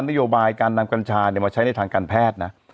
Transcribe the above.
นโยบายการนำกัญชามาใช้ในทางการแพทย์นะ